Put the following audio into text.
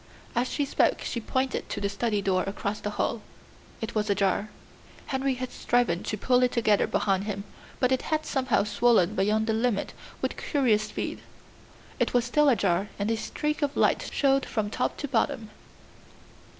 As she spoke she pointed to the study door across the hall; it was ajar. Henry had striven to pull it together behind him, but it had somehow swollen beyond the limit with curious speed. It was still ajar and a streak of light showed from top to bottom.